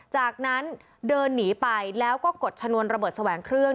จากนั้นเดินหนีไปแล้วก็กดชนวนระเบิดแสวงเครื่อง